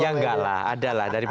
ya enggak lah ada lah